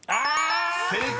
［正解！